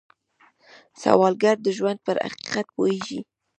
سوالګر د ژوند پر حقیقت پوهېږي